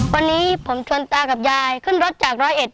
วันนี้ผมชวนตากับยายขึ้นรถจากร้อยเอ็ด